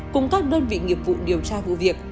cùng các đơn vị nghiệp vụ điều tra vụ việc